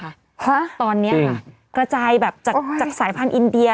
ฮะจริงตอนนี้ล่ะกระจายแบบจากสายพันธุ์อินเดีย